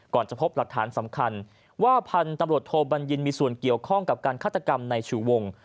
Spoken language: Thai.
จะพบหลักฐานสำคัญว่าพันธุ์ตำรวจโทบัญญินมีส่วนเกี่ยวข้องกับการฆาตกรรมในชูวง